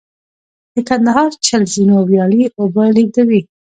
د کندهار چل زینو ویالې اوبه لېږدوي